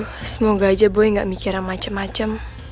aduh semoga aja boy nggak mikirin macem macem